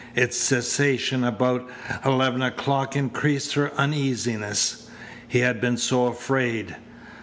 Its cessation about eleven o'clock increased her uneasiness. He had been so afraid!